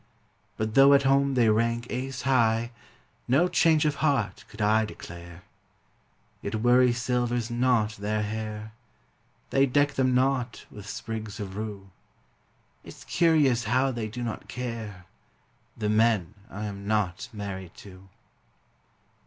But though at home they rank ace high, No change of heart could I declare. Yet worry silvers not their hair; They deck them not with sprigs of rue. It's curious how they do not care The men I am not married to.